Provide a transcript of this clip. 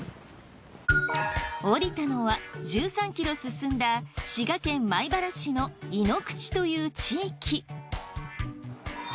降りたのは１３ｋｍ進んだ滋賀県米原市の井之口という地域。